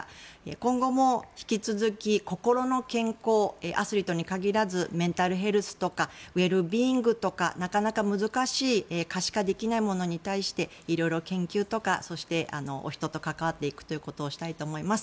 今後も引き続き心の健康、アスリートに限らずメンタルヘルスとかウェルビーングとかなかなか難しい可視化できないものに対していろいろ研究とかお人と関わっていくことをしたいと思っています。